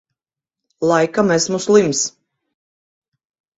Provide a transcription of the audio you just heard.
Laikam esmu slims.